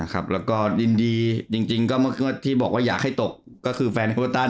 แล้วก็ยินดีจริงก็เมื่อที่บอกว่าอยากให้ตบก็คือแฟนเอเวอร์ตัน